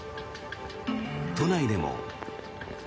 都内でも。